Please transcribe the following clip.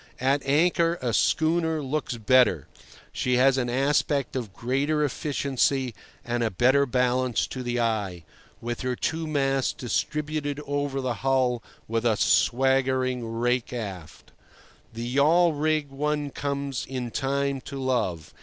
At anchor a schooner looks better; she has an aspect of greater efficiency and a better balance to the eye, with her two masts distributed over the hull with a swaggering rake aft. The yawl rig one comes in time to love.